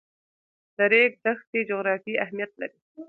د ریګ دښتې جغرافیایي اهمیت لري.